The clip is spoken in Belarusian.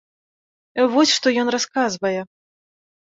Вось што ён расказвае.